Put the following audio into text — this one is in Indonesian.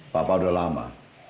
papa udah lama